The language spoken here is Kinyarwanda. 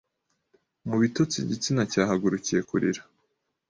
Mubitotsi Igitsina cyahagurukiye kurira